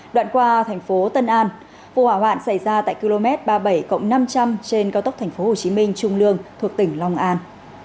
đoạn qua thành phố tân an vụ hỏa hoạn xảy ra tại km ba mươi bảy năm trăm linh trên cao tốc tp hcm trung lương thuộc tỉnh long an